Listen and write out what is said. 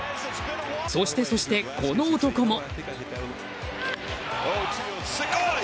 そしてそして、この男も。